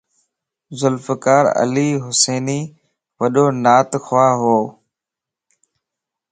ذوالفقار علي حسيني وڏو نعت خوا ھئو